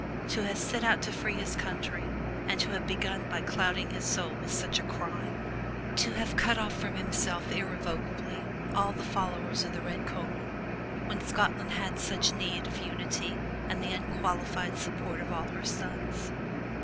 To have set out to free his country and to have begun by clouding his soul with such a crime! To have cut off from himself irre 281 MY BOOK HOUSE vocably all the followers of the Red Comyn when Scotland had such need of .unity and the unqualified support of all her sons!